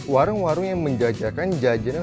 warung warung yang menjajakan jajanan